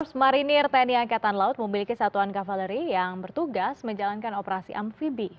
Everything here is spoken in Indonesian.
marsmarinir tni angkatan laut memiliki satuan kavaleri yang bertugas menjalankan operasi amfibi